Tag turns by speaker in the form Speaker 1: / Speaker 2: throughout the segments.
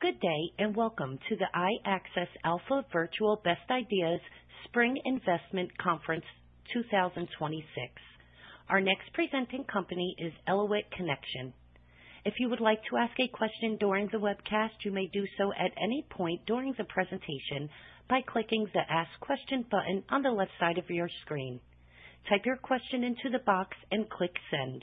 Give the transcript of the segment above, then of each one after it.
Speaker 1: Good day, welcome to the iAccess Alpha Virtual Best Ideas Spring Investment Conference 2026. Our next presenting company is Elauwit Connection. If you would like to ask a question during the webcast, you may do so at any point during the presentation by clicking the Ask Question button on the left side of your screen. Type your question into the box and click Send.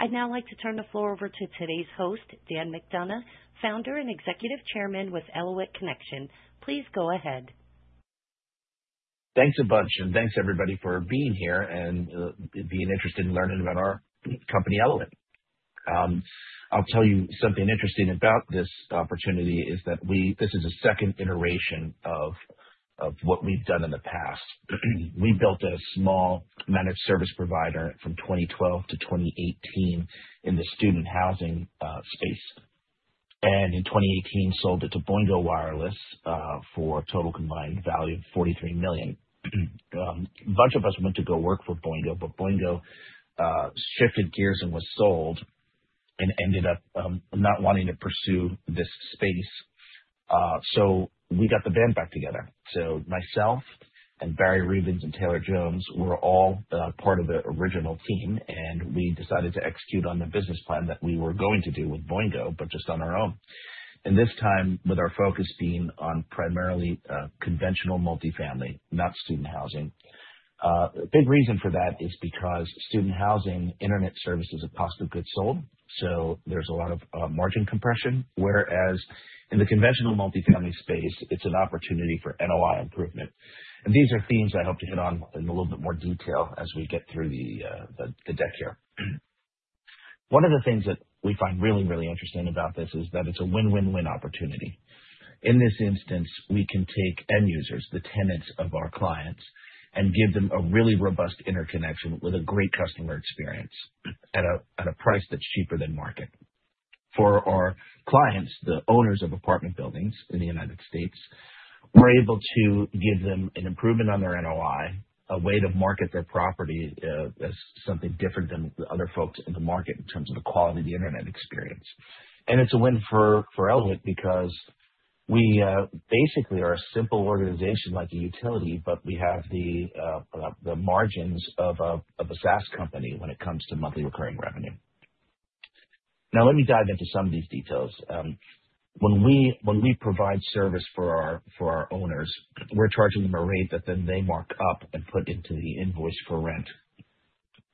Speaker 1: I'd now like to turn the floor over to today's host, Dan McDonough, Founder and Executive Chairman with Elauwit Connection. Please go ahead.
Speaker 2: Thanks a bunch, thanks everybody for being here and being interested in learning about our company, Elauwit. I'll tell you something interesting about this opportunity is that this is a second iteration of what we've done in the past. We built a small managed service provider from 2012-2018 in the student housing space, and in 2018 sold it to Boingo Wireless for a total combined value of $43 million. A bunch of us went to go work for Boingo, but Boingo shifted gears and was sold and ended up not wanting to pursue this space. We got the band back together. Myself and Barry Rubens and Taylor Jones were all part of the original team, and we decided to execute on the business plan that we were going to do with Boingo, but just on our own, and this time with our focus being on primarily conventional multifamily, not student housing. A big reason for that is because student housing internet service is a cost of goods sold, so there's a lot of margin compression. Whereas in the conventional multifamily space, it's an opportunity for NOI improvement. These are themes I hope to hit on in a little bit more detail as we get through the deck here. One of the things that we find really interesting about this is that it's a win-win-win opportunity. In this instance, we can take end users, the tenants of our clients, and give them a really robust interconnection with a great customer experience at a price that's cheaper than market. For our clients, the owners of apartment buildings in the United States, we're able to give them an improvement on their NOI, a way to market their property as something different than the other folks in the market in terms of the quality of the internet experience. It's a win for Elauwit because we basically are a simple organization like a utility, but we have the margins of a SaaS company when it comes to monthly recurring revenue. Now let me dive into some of these details. When we provide service for our owners, we're charging them a rate that then they mark up and put into the invoice for rent.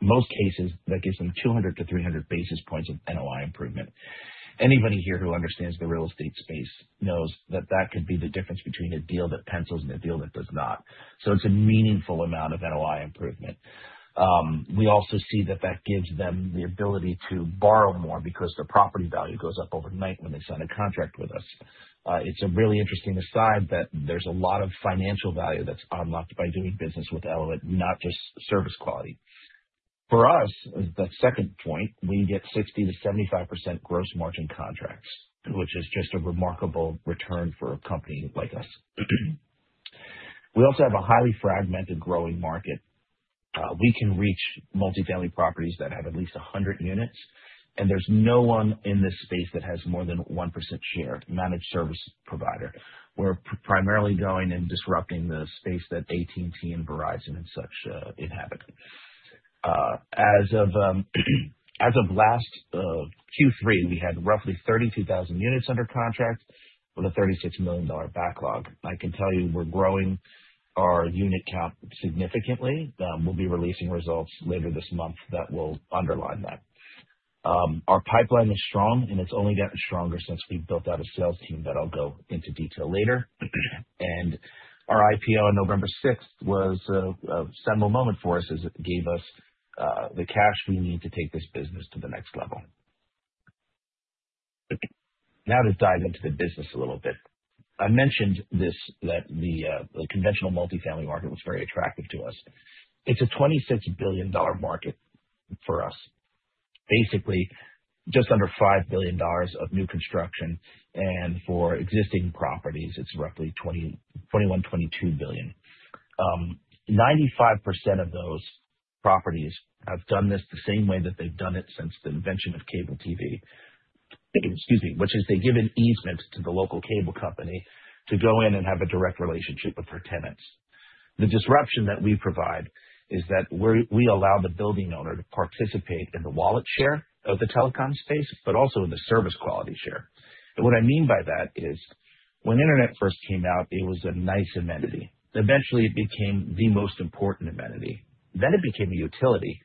Speaker 2: Most cases, that gives them 200 basis points-300 basis points of NOI improvement. Anybody here who understands the real estate space knows that that could be the difference between a deal that pencils and a deal that does not. It's a meaningful amount of NOI improvement. We also see that that gives them the ability to borrow more because their property value goes up overnight when they sign a contract with us. It's a really interesting aside that there's a lot of financial value that's unlocked by doing business with Elauwit, not just service quality. For us, the second point, we get 60%-75% gross margin contracts, which is just a remarkable return for a company like us. We also have a highly fragmented, growing market. We can reach multifamily properties that have at least 100 units, and there's no one in this space that has more than 1% share managed service provider. We're primarily going and disrupting the space that AT&T and Verizon and such inhabit. As of last Q3, we had roughly 32,000 units under contract with a $36 million backlog. I can tell you we're growing our unit count significantly. We'll be releasing results later this month that will underline that. Our pipeline is strong, and it's only gotten stronger since we've built out a sales team that I'll go into detail later. Our IPO on November 6th was a seminal moment for us as it gave us the cash we need to take this business to the next level. Now to dive into the business a little bit. I mentioned this, that the conventional multifamily market was very attractive to us. It's a $26 billion market for us. Basically, just under $5 billion of new construction, and for existing properties, it's roughly $21 billion-$22 billion. 95% of those properties have done this the same way that they've done it since the invention of cable TV. Excuse me. Which is they give an easement to the local cable company to go in and have a direct relationship with their tenants. The disruption that we provide is that we allow the building owner to participate in the wallet share of the telecom space, but also in the service quality share. What I mean by that is, when internet first came out, it was a nice amenity. Eventually, it became the most important amenity. It became a utility,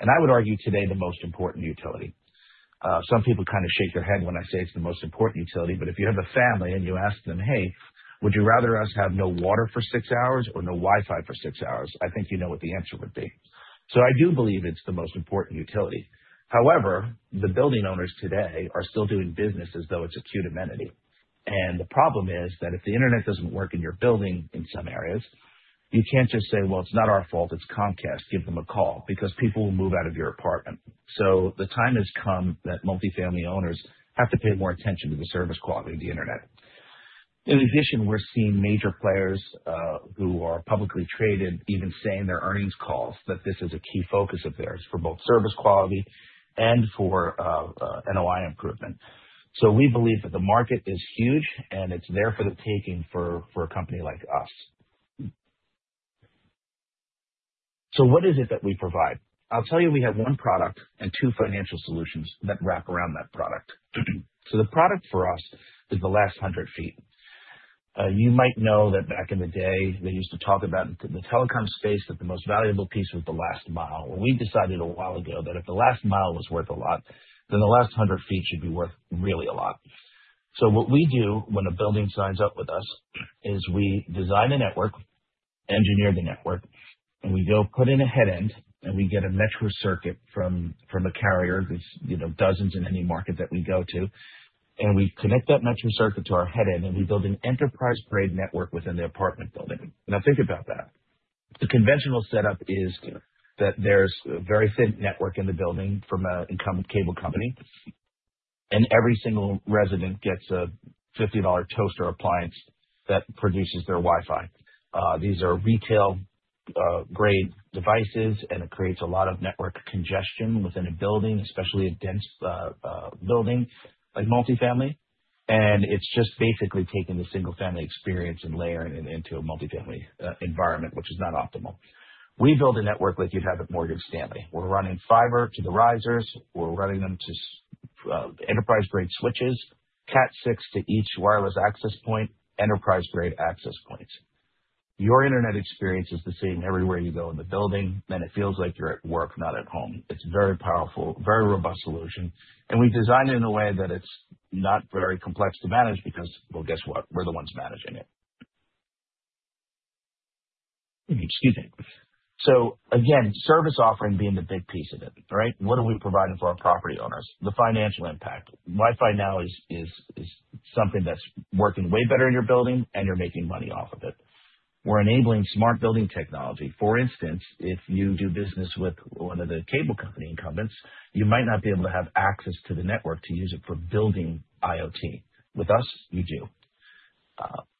Speaker 2: and I would argue today, the most important utility. Some people kind of shake their head when I say it's the most important utility, but if you have a family and you ask them, "Hey, would you rather us have no water for six hours or no Wi-Fi for six hours?" I think you know what the answer would be. I do believe it's the most important utility. However, the building owners today are still doing business as though it's a cute amenity. The problem is that if the internet doesn't work in your building in some areas, you can't just say, "Well, it's not our fault, it's Comcast. Give them a call." Because people will move out of your apartment. The time has come that multifamily owners have to pay more attention to the service quality of the internet. In addition, we're seeing major players who are publicly traded even say in their earnings calls that this is a key focus of theirs, for both service quality and for NOI improvement. We believe that the market is huge, and it's there for the taking for a company like us. What is it that we provide? I'll tell you, we have one product and two financial solutions that wrap around that product. The product for us is the last 100 ft. You might know that back in the day, they used to talk about in the telecom space that the most valuable piece was the last mile. We decided a while ago that if the last mile was worth a lot, then the last 100 ft should be worth really a lot. What we do when a building signs up with us is we design a network, engineer the network, and we go put in a headend, and we get a metro circuit from a carrier. There's dozens in any market that we go to. We connect that metro circuit to our headend, and we build an enterprise-grade network within the apartment building. Think about that. The conventional setup is that there's a very thin network in the building from an incumbent cable company, and every single resident gets a $50 toaster appliance that produces their Wi-Fi. These are retail-grade devices, and it creates a lot of network congestion within a building, especially a dense building like multi-family. It's just basically taking the single-family experience and layering it into a multi-family environment, which is not optimal. We build a network like you'd have at Morgan Stanley. We're running fiber to the risers. We're running them to enterprise-grade switches, Cat6 to each wireless access point, enterprise-grade access points. Your internet experience is the same everywhere you go in the building, and it feels like you're at work, not at home. It's a very powerful, very robust solution, and we design it in a way that it's not very complex to manage because, well, guess what? We're the ones managing it. Excuse me. Again, service offering being the big piece of it, right? What are we providing for our property owners? The financial impact. Wi-Fi now is something that's working way better in your building, and you're making money off of it. We're enabling smart building technology. For instance, if you do business with one of the cable company incumbents, you might not be able to have access to the network to use it for building IoT. With us, you do.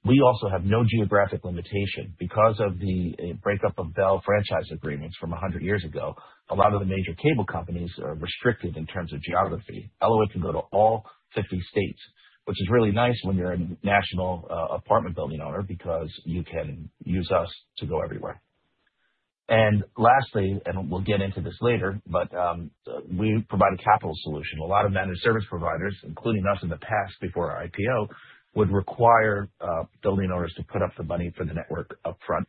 Speaker 2: We also have no geographic limitation. Because of the breakup of Bell franchise agreements from 100 years ago, a lot of the major cable companies are restricted in terms of geography. Elauwit can go to all 50 states, which is really nice when you're a national apartment building owner because you can use us to go everywhere. Lastly, and we'll get into this later, but we provide a capital solution. A lot of managed service providers, including us in the past before our IPO, would require building owners to put up the money for the network upfront.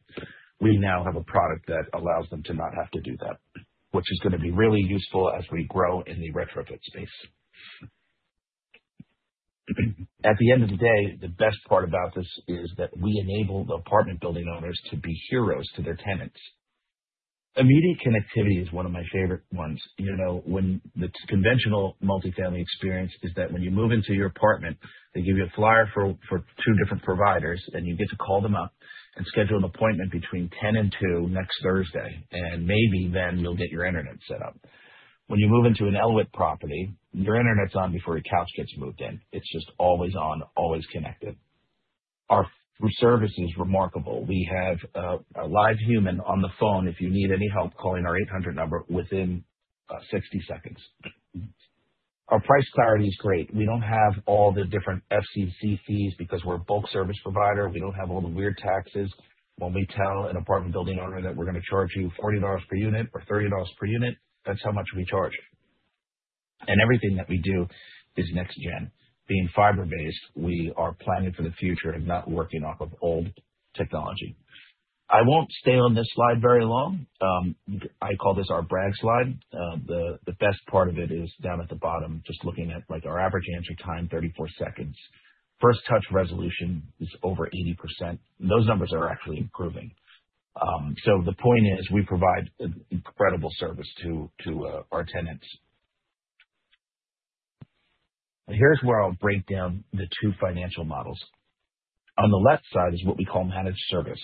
Speaker 2: We now have a product that allows them to not have to do that, which is going to be really useful as we grow in the retrofit space. At the end of the day, the best part about this is that we enable the apartment building owners to be heroes to their tenants. Immediate connectivity is one of my favorite ones. The conventional multi-family experience is that when you move into your apartment, they give you a flyer for two different providers, and you get to call them up and schedule an appointment between 10 and two next Thursday, and maybe then you'll get your internet set up. When you move into an Elauwit property, your internet's on before your couch gets moved in. It's just always on, always connected. Our service is remarkable. We have a live human on the phone if you need any help calling our 800 number within 60 seconds. Our price clarity is great. We don't have all the different FCC fees because we're a bulk service provider. We don't have all the weird taxes. When we tell an apartment building owner that we're going to charge you $40 per unit or $30 per unit, that's how much we charge. Everything that we do is next-gen. Being fiber-based, we are planning for the future and not working off of old technology. I won't stay on this slide very long. I call this our brag slide. The best part of it is down at the bottom, just looking at our average answer time, 34 seconds. First touch resolution is over 80%. Those numbers are actually improving. The point is, we provide incredible service to our tenants. Here's where I'll break down the two financial models. On the left side is what we call managed service.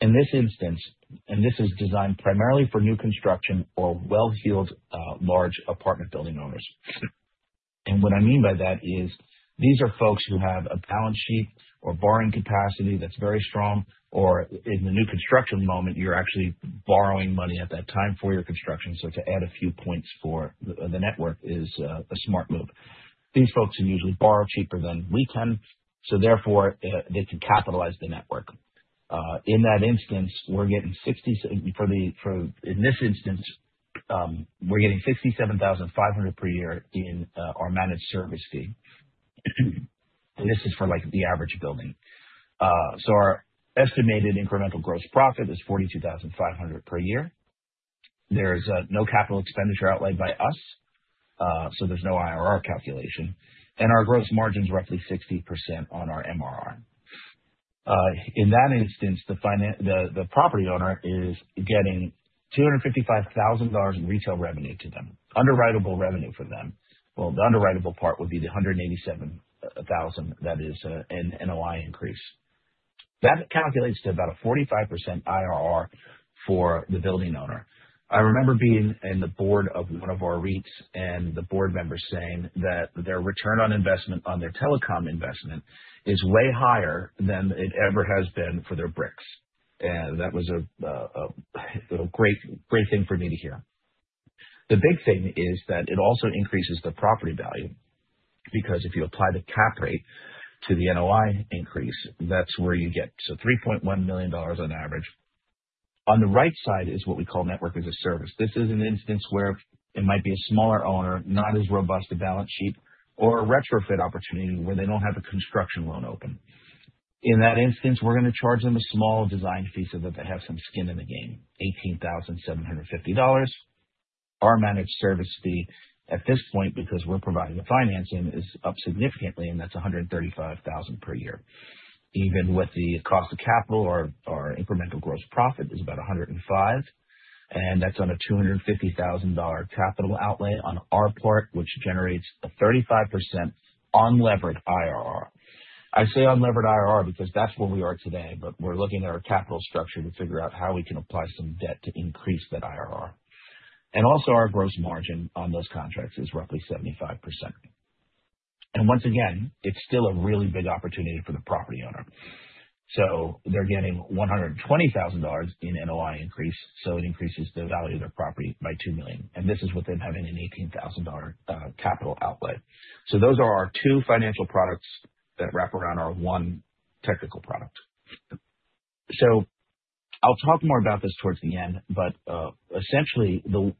Speaker 2: In this instance, this is designed primarily for new construction or well-heeled, large apartment building owners. What I mean by that is these are folks who have a balance sheet or borrowing capacity that's very strong, or in the new construction moment, you're actually borrowing money at that time for your construction. To add a few points for the network is a smart move. These folks can usually borrow cheaper than we can, so therefore, they can capitalize the network. In this instance, we're getting $67,500 per year in our managed service fee. This is for the average building. Our estimated incremental gross profit is $42,500 per year. There's no capital expenditure outlayed by us, so there's no IRR calculation, and our gross margin is roughly 60% on our MRR. In that instance, the property owner is getting $255,000 in retail revenue to them, underwrite-able revenue for them. Well, the underwrite-able part would be the $187,000 that is an NOI increase. That calculates to about a 45% IRR for the building owner. I remember being in the Board of one of our REITs, and the Board member saying that their return on investment on their telecom investment is way higher than it ever has been for their bricks. That was a great thing for me to hear. The big thing is that it also increases the property value, because if you apply the cap rate to the NOI increase, that's where you get to $3.1 million on average. On the right side is what we call Network as a Service. This is an instance where it might be a smaller owner, not as robust a balance sheet, or a retrofit opportunity where they don't have a construction loan open. In that instance, we're going to charge them a small design fee so that they have some skin in the game, $18,750. Our managed service fee at this point, because we're providing the financing, is up significantly, and that's $135,000 per year. Even with the cost of capital, our incremental gross profit is about $105,000, and that's on a $250,000 capital outlay on our part, which generates a 35% unlevered IRR. I say unlevered IRR because that's where we are today, but we're looking at our capital structure to figure out how we can apply some debt to increase that IRR. Also our gross margin on those contracts is roughly 75%. Once again, it's still a really big opportunity for the property owner. They're getting $120,000 in NOI increase, so it increases the value of their property by $2 million, and this is with them having an $18,000 capital outlay. Those are our two financial products that wrap around our one technical product. I'll talk more about this towards the end, but essentially, the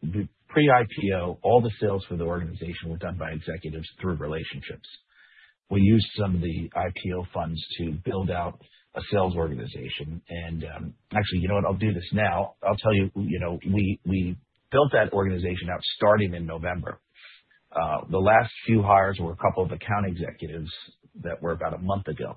Speaker 2: pre-IPO, all the sales for the organization were done by executives through relationships. We used some of the IPO funds to build out a sales organization. Actually, you know what? I'll do this now. I'll tell you, we built that organization out starting in November. The last few hires were a couple of account executives that were about a month ago.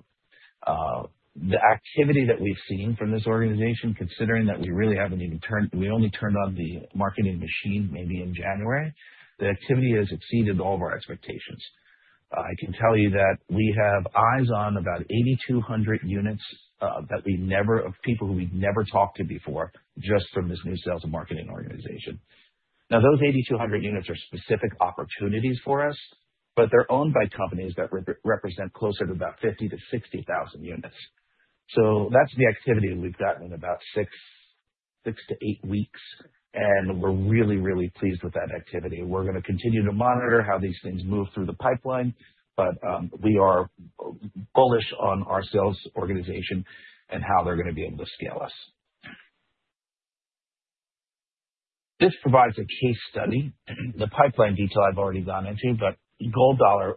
Speaker 2: The activity that we've seen from this organization, considering that we only turned on the marketing machine maybe in January, the activity has exceeded all of our expectations. I can tell you that we have eyes on about 8,200 units of people who we've never talked to before, just from this new sales and marketing organization. Those 8,200 units are specific opportunities for us, but they're owned by companies that represent closer to about 50,000-60,000 units. That's the activity we've gotten in about six to eight weeks, and we're really pleased with that activity. We're going to continue to monitor how these things move through the pipeline, but we are bullish on our sales organization and how they're going to be able to scale us. This provides a case study. The pipeline detail I've already gone into, GoldOller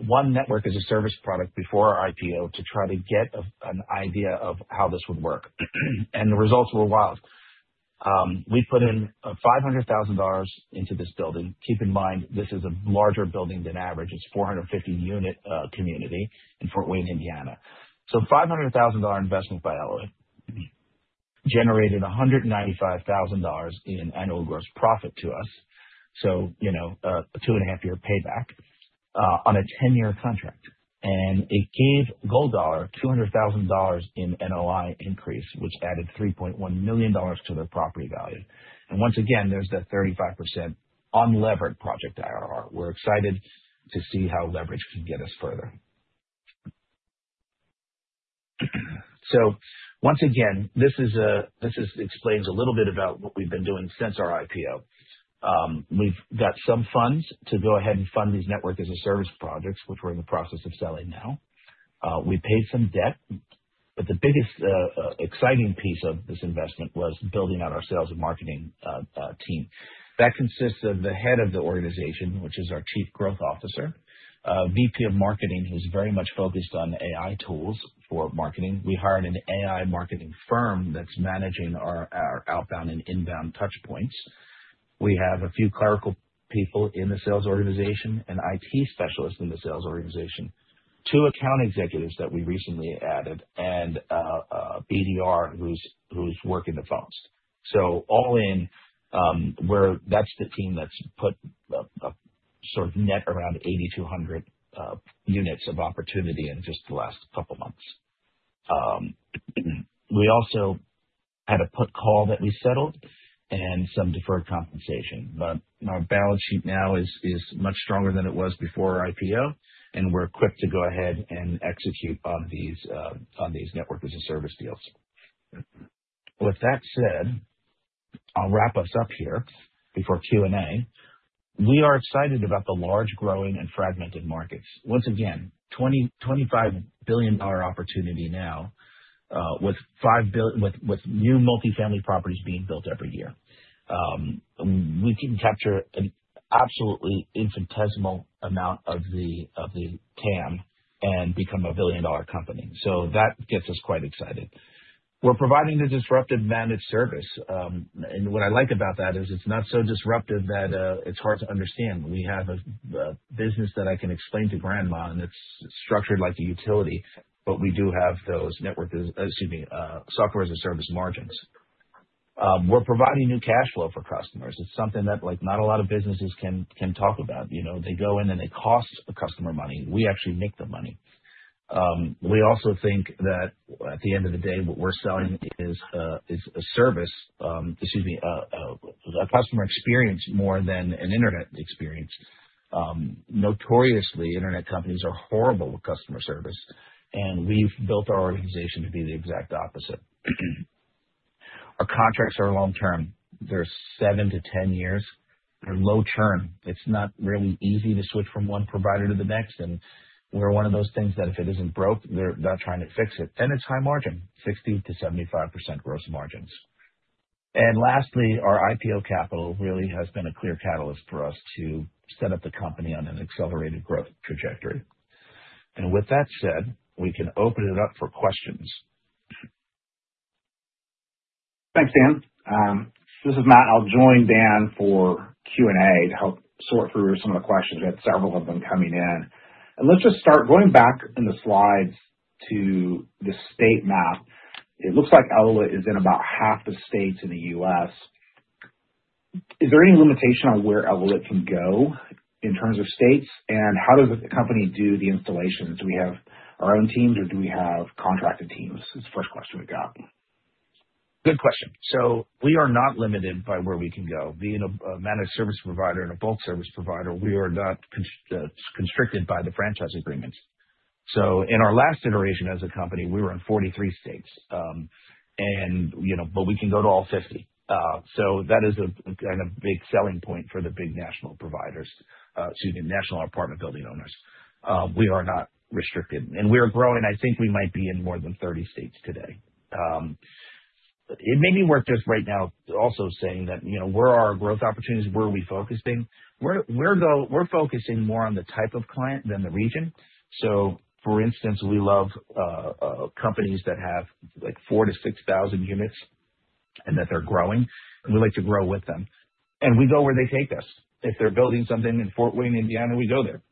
Speaker 2: is a real estate company based in Philadelphia, and we did one Network-as-a-Service product before our IPO to try to get an idea of how this would work. The results were wild. We put in $500,000 into this building. Keep in mind, this is a larger building than average. It's a 450-unit community in Fort Wayne, Indiana. A $500,000 investment by Elauwit generated $195,000 in annual gross profit to us. A two-and-a-half-year payback on a 10-year contract. It gave GoldOller $200,000 in NOI increase, which added $3.1 million to their property value. Once again, there's that 35% unlevered project IRR. We're excited to see how leverage can get us further. Once again, this explains a little bit about what we've been doing since our IPO. We've got some funds to go ahead and fund these Network as a Service projects, which we're in the process of selling now. We paid some debt, but the biggest exciting piece of this investment was building out our sales and marketing team. That consists of the Head of the Organization, which is our Chief Growth Officer, VP of Marketing, who's very much focused on AI tools for marketing. We hired an AI marketing firm that's managing our outbound and inbound touchpoints. We have a few clerical people in the sales organization, an IT specialist in the sales organization, two account executives that we recently added, and a BDR who's working the phones. All in, that's the team that's put a net around 8,200 units of opportunity in just the last couple of months. We also had a put call that we settled and some deferred compensation, but our balance sheet now is much stronger than it was before our IPO, and we're equipped to go ahead and execute on these Network-as-a-Service deals. With that said, I'll wrap us up here before Q&A. We are excited about the large, growing, and fragmented markets. Once again, $25 billion opportunity now, with new multifamily properties being built every year. We can capture an absolutely infinitesimal amount of the TAM and become $1 billion company. That gets us quite excited. We're providing a disruptive managed service. What I like about that is it's not so disruptive that it's hard to understand. We have a business that I can explain to grandma. It's structured like a utility, but we do have those Software-as-a-Service margins. We're providing new cash flow for customers. It's something that not a lot of businesses can talk about. They go in and they cost a customer money. We actually make them money. We also think that at the end of the day, what we're selling is a service, excuse me, a customer experience more than an internet experience. Notoriously, internet companies are horrible with customer service, and we've built our organization to be the exact opposite. Our contracts are long-term. They're seven to 10 years. They're low churn. It's not really easy to switch from one provider to the next, and we're one of those things that if it isn't broke, they're not trying to fix it. It's high margin, 60%-75% gross margins. Lastly, our IPO capital really has been a clear catalyst for us to set up the company on an accelerated growth trajectory. With that said, we can open it up for questions.
Speaker 3: Thanks, Dan. This is Matt. I will join Dan for Q&A to help sort through some of the questions. We have several of them coming in. Let's just start. Going back in the slides to the state map, it looks like Elauwit is in about half the states in the U.S. Is there any limitation on where Elauwit can go in terms of states? How does the company do the installations? Do we have our own teams, or do we have contracted teams? This is the first question we got.
Speaker 2: Good question. We are not limited by where we can go. Being a managed service provider and a bulk service provider, we are not constricted by the franchise agreements. In our last iteration as a company, we were in 43 states. We can go to all 50. That is a big selling point for the big national providers, excuse me, national apartment building owners. We are not restricted. We are growing. I think we might be in more than 30 states today. It may be worth just right now also saying that where are our growth opportunities? Where are we focusing? We are focusing more on the type of client than the region. For instance, we love companies that have 4,000-6,000 units and that they are growing, and we like to grow with them. We go where they take us. If they are building something in Fort Wayne, Indiana, we go there.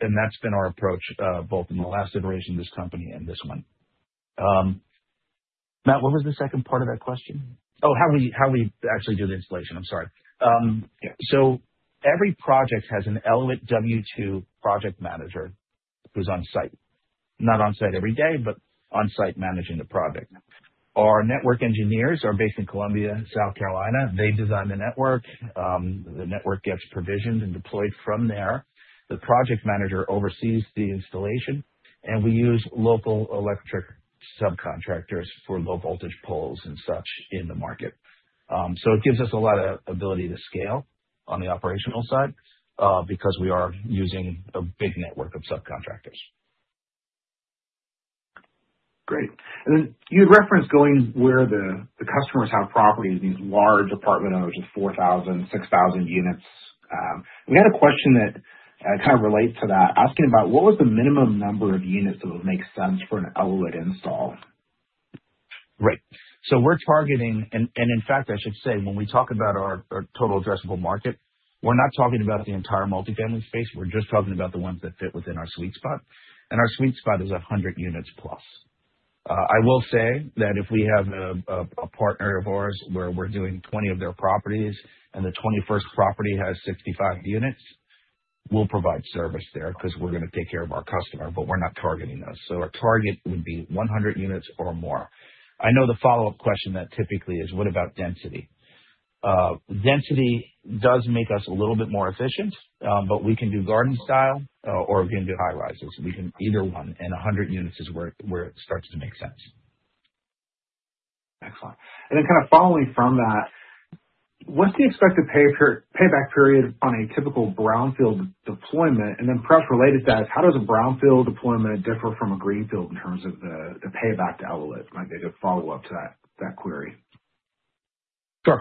Speaker 2: That has been our approach both in the last iteration of this company and this one. Matt, what was the second part of that question? Oh, how we actually do the installation. I am sorry.
Speaker 3: Yeah.
Speaker 2: Every project has an Elauwit W2 project manager who is on site. Not on site every day, but on site managing the project. Our network engineers are based in Columbia, South Carolina. They design the network. The network gets provisioned and deployed from there. The project manager oversees the installation, and we use local electric subcontractors for low voltage poles and such in the market. It gives us a lot of ability to scale on the operational side because we are using a big network of subcontractors.
Speaker 3: Great. Then you had referenced going where the customers have properties, these large apartment owners with 4,000, 6,000 units. We had a question that kind of relates to that, asking about what was the minimum number of units that would make sense for an Elauwit install.
Speaker 2: Right. We're targeting, in fact, I should say, when we talk about our total addressable market, we're not talking about the entire multifamily space. We're just talking about the ones that fit within our sweet spot, and our sweet spot is 100 units plus. I will say that if we have a partner of ours where we're doing 20 of their properties and the 21st property has 65 units, we'll provide service there because we're going to take care of our customer, we're not targeting those. Our target would be 100 units or more. I know the follow-up question that typically is, what about density? Density does make us a little bit more efficient, we can do garden style or we can do high-rises. We can either one, 100 units is where it starts to make sense.
Speaker 3: Excellent. Then kind of following from that, what's the expected payback period on a typical brownfield deployment? Then perhaps related to that is how does a brownfield deployment differ from a greenfield in terms of the payback to Elauwit? Might be a good follow-up to that query.
Speaker 2: Sure.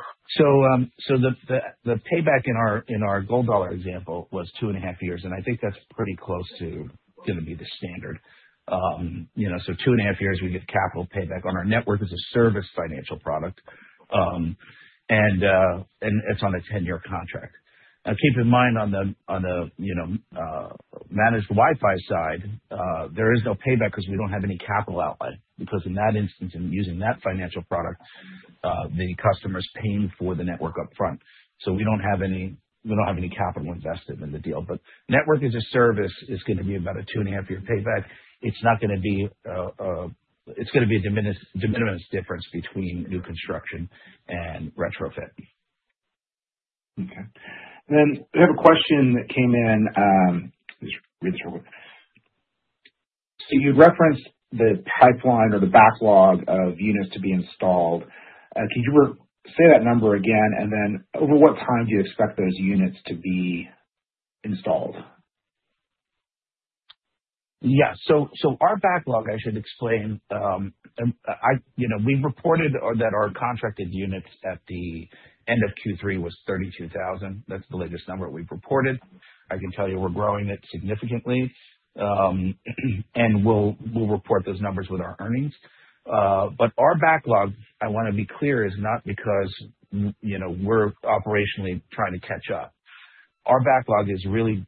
Speaker 2: The payback in our GoldOller example was two and a half years, I think that's pretty close to going to be the standard. Two and a half years, we get capital payback on our Network-as-a-Service financial product. It's on a 10-year contract. Now keep in mind on the managed Wi-Fi side, there is no payback because we don't have any capital outlay, because in that instance, in using that financial product, the customer's paying for the network upfront. We don't have any capital invested in the deal. Network-as-a-Service is going to be about a two-and-a-half-year payback. It's going to be a de minimis difference between new construction and retrofit.
Speaker 3: Okay. We have a question that came in. Let me just read this real quick. You had referenced the pipeline or the backlog of units to be installed. Could you say that number again, and then over what time do you expect those units to be installed?
Speaker 2: Yeah. Our backlog, I should explain. We've reported that our contracted units at the end of Q3 was 32,000. That's the latest number we've reported. I can tell you we're growing it significantly. We'll report those numbers with our earnings. Our backlog, I want to be clear, is not because we're operationally trying to catch up. Our backlog is really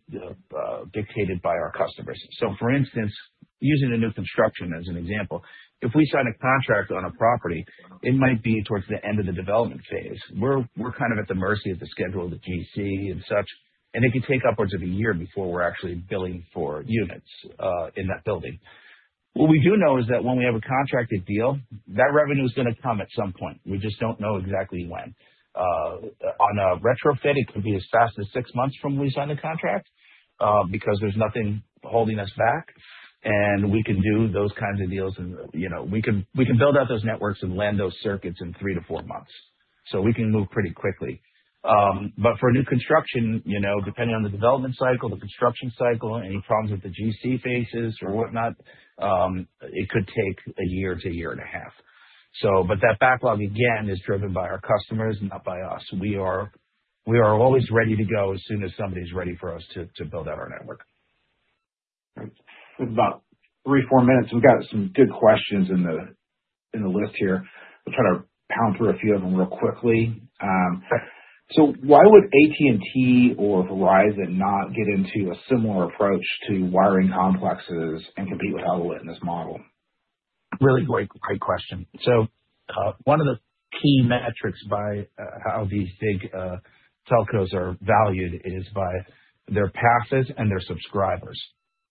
Speaker 2: dictated by our customers. For instance, using a new construction as an example, if we sign a contract on a property, it might be towards the end of the development phase. We're kind of at the mercy of the schedule of the GC and such, and it can take upwards of a year before we're actually billing for units in that building. What we do know is that when we have a contracted deal, that revenue is going to come at some point. We just don't know exactly when. On a retrofit, it could be as fast as six months from when we sign the contract because there's nothing holding us back, and we can do those kinds of deals and we can build out those networks and land those circuits in three to four months. We can move pretty quickly. For new construction, depending on the development cycle, the construction cycle, any problems with the GC phases or whatnot, it could take a year to a year and a half. That backlog, again, is driven by our customers, not by us. We are always ready to go as soon as somebody's ready for us to build out our network.
Speaker 3: Great. With about three, four minutes, we've got some good questions in the list here. I'll try to pound through a few of them real quickly.
Speaker 2: Sure.
Speaker 3: Why would AT&T or Verizon not get into a similar approach to wiring complexes and compete with Elauwit in this model?
Speaker 2: Really great question. One of the key metrics by how these big telcos are valued is by their passes and their subscribers,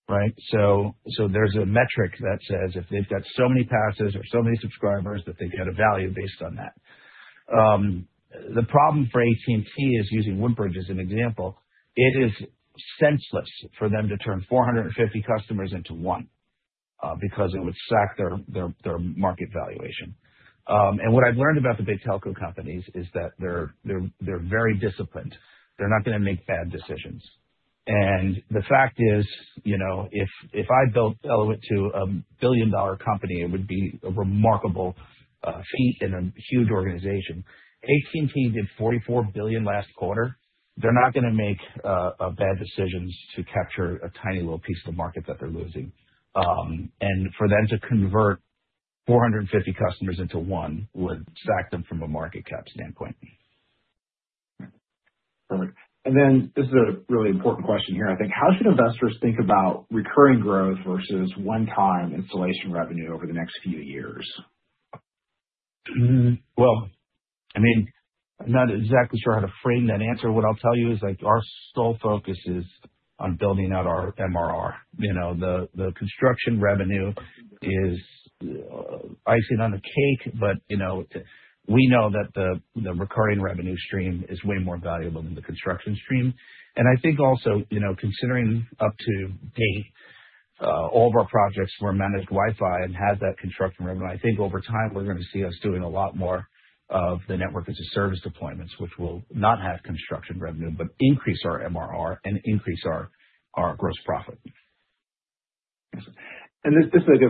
Speaker 2: right? There's a metric that says if they've got so many passes or so many subscribers that they get a value based on that. The problem for AT&T is, using Woodbridge as an example, it is senseless for them to turn 450 customers into one because it would sack their market valuation. What I've learned about the big telco companies is that they're very disciplined. They're not going to make bad decisions. The fact is, if I built Elauwit to $1 billion company, it would be a remarkable feat and a huge organization. AT&T did $44 billion last quarter. They're not going to make bad decisions to capture a tiny little piece of the market that they're losing. For them to convert 450 customers into one would sack them from a market cap standpoint.
Speaker 3: Perfect. This is a really important question here, I think. How should investors think about recurring growth versus one-time installation revenue over the next few years?
Speaker 2: Well, I'm not exactly sure how to frame that answer. What I'll tell you is our sole focus is on building out our MRR. The construction revenue is icing on the cake, but we know that the recurring revenue stream is way more valuable than the construction stream. I think also considering up to date, all of our projects were managed Wi-Fi and had that construction revenue. I think over time, we're going to see us doing a lot more of the Network-as-a-Service deployments, which will not have construction revenue, but increase our MRR and increase our gross profit.
Speaker 3: Just as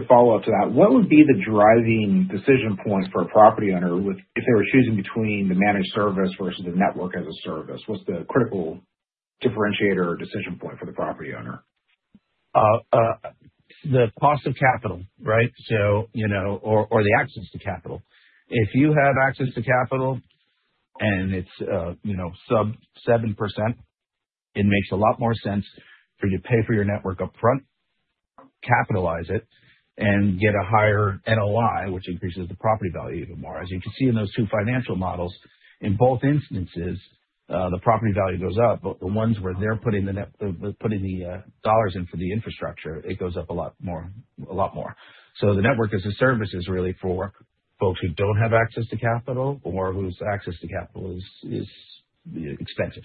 Speaker 3: a follow-up to that, what would be the driving decision points for a property owner if they were choosing between the managed service versus the Network-as-a-Service? What's the critical differentiator or decision point for the property owner?
Speaker 2: The cost of capital. The access to capital. If you have access to capital and it's sub 7%, it makes a lot more sense for you to pay for your network upfront, capitalize it, and get a higher NOI, which increases the property value even more. As you can see in those two financial models, in both instances, the property value goes up. The ones where they're putting the dollars in for the infrastructure, it goes up a lot more. The Network-as-a-Service is really for folks who don't have access to capital or whose access to capital is expensive.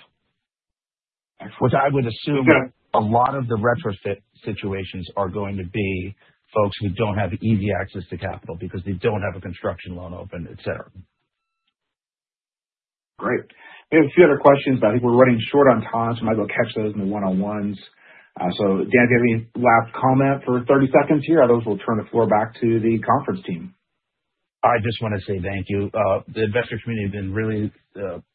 Speaker 3: Excellent.
Speaker 2: Which I would assume a lot of the retrofit situations are going to be folks who don't have easy access to capital because they don't have a construction loan open, etc.
Speaker 3: Great. We have a few other questions, but I think we're running short on time, we might go catch those in the one-on-ones. Dan, do you have any last comment for 30 seconds here? Otherwise, we'll turn the floor back to the conference team.
Speaker 2: I just want to say thank you. The investor community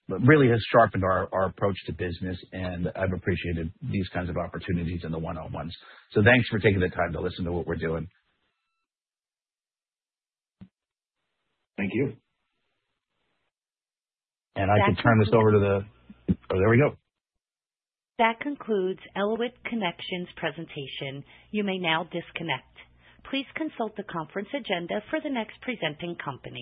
Speaker 2: really has sharpened our approach to business, and I've appreciated these kinds of opportunities in the one-on-ones. Thanks for taking the time to listen to what we're doing.
Speaker 3: Thank you.
Speaker 2: I can turn this over to the Oh, there we go.
Speaker 1: That concludes Elauwit Connection's presentation. You may now disconnect. Please consult the conference agenda for the next presenting company.